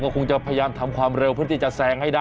ก็คงจะพยายามทำข้อเร็วเพื่อที่จะแสงให้ครับ